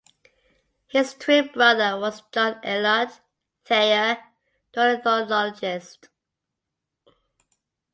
His twin brother was John Eliot Thayer the ornithologist.